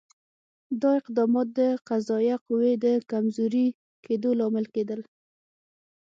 دا اقدامات د قضایه قوې د کمزوري کېدو لامل کېدل.